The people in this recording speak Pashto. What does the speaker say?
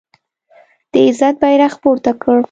د عزت بیرغ پورته کړ